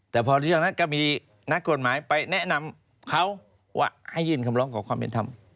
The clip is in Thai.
แต่ก็นัดกรุณหมาไปแนะนำเขาให้ยืนคำร้องของความเป็นธรรม